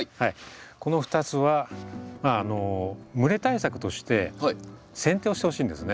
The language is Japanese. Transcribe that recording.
この２つは蒸れ対策としてせん定をしてほしいんですね。